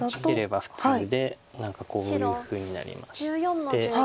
何かこういうふうになりまして。